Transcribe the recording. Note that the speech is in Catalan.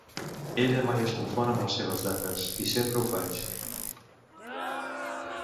Ella mai es confon amb les seves dates, i sempre ho faig.